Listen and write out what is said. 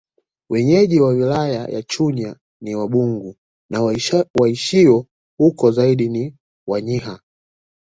Wenyeji wa wilaya ya Chunya ni Wabungu na waishio huko zaidi ni Wanyiha